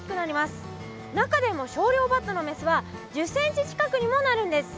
中でもショウリョウバッタのメスは１０ｃｍ近くにもなるんです。